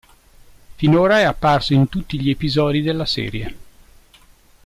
Finora è apparso in tutti gli episodi della serie.